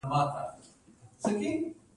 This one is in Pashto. یو نوی سیستم جوړ کړو.